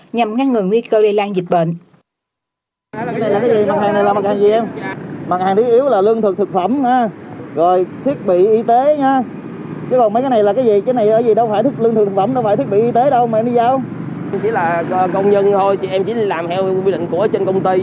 nhằm ngăn ngừng nguy cơ lây lan dịch bệnh